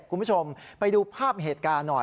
คุณผู้ชมไปดูภาพเหตุการณ์หน่อย